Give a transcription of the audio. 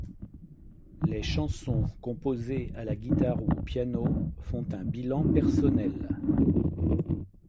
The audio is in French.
Les chansons, composés à la guitare ou au piano, font un bilan personnel.